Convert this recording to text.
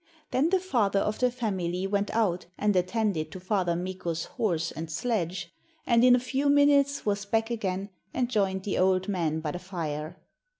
Then the father of the family went out and attended to Father Mikko's horse and sledge, and in a few minutes was back again and joined the old man by the fire.